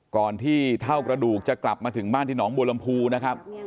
ก่อนที่เท่ากระดูกจะกลับมาถึงบ้านที่หนองบัวลำพูนะครับ